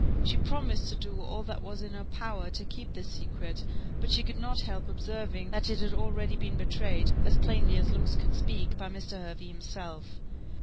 She promised to do all that was in her power to keep this secret, but she could not help observing that it had already been betrayed, as plainly as looks could speak, by Mr. Hervey himself.